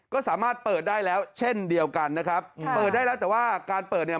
ก็สามารถเปิดได้แล้วเช่นเดียวกันนะครับเปิดได้แล้วแต่ว่าการเปิดเนี่ย